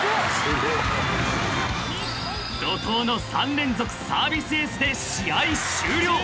［怒濤の３連続サービスエースで試合終了］